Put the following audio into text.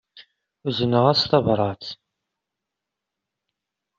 Uzneɣ-as tabrat.